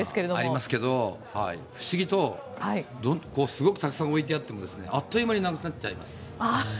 ありますけど、不思議とすごくたくさん置いてあってもあっという間になくなっちゃいます。